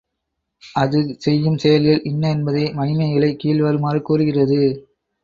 அது செய்யும் செயல்கள் இன்ன என்பதை மணிமேகலை கீழ் வருமாறு கூறுகிறது.